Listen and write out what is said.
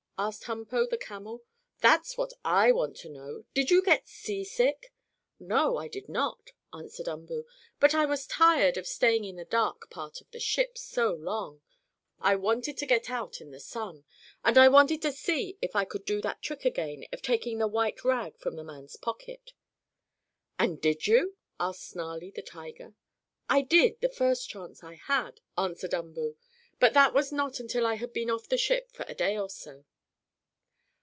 asked Humpo, the camel. "That's what I want to know. Did you get seasick?" "No, I did not," answered Umboo. "But I was tired of staying in the dark part of the ship so long. I wanted to get out in the sun. And I wanted to see if I could do that trick again, of taking the white rag from the man's pocket." "And did you?" asked Snarlie, the tiger. "I did, the first chance I had," answered Umboo. "But that was not until I had been off the ship for a day or so."